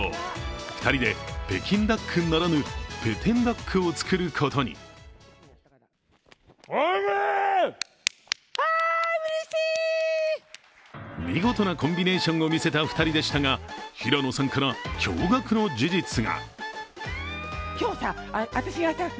２人で北京ダックならぬペテンダックを作ることに見事なコンビネーションを見せた２人でしたが平野さんから驚がくの事実が。